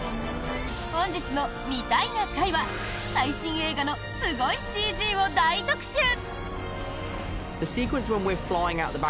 本日の「観たいな会」は最新映画のすごいＣＧを大特集！